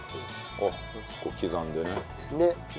あっ結構刻んでね。